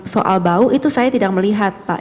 soal bau itu saya tidak melihat pak